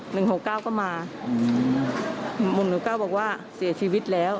หนึ่งหกเก้าก็มาหมุนหนึ่งหกเก้าบอกว่าเสียชีวิตแล้ว